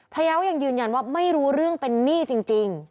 ก็ยังยืนยันว่าไม่รู้เรื่องเป็นหนี้จริง